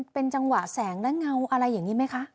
เป็นจังหวะแสงและเงาอะไรอย่างนี้ไหมคะ